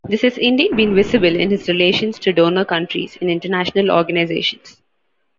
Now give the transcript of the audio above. This has indeed been visible in his relations to donor countries and international organisations.